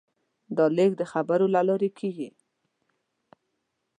دا لېږد د خبرو له لارې کېږي.